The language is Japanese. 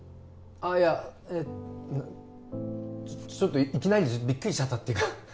ああいやえっちょっといきなりでビックリしちゃったっていうか